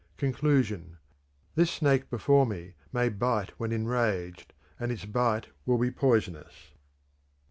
(Conclusion) This snake before me may bite when enraged, and its bite will be poisonous.